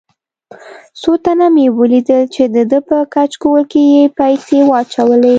څو تنه مې ولیدل چې دده په کچکول کې یې پیسې واچولې.